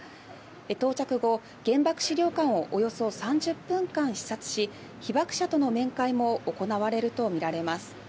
到着後、原爆資料館をおよそ３０分間視察し被爆者との面会も行われるとみられます。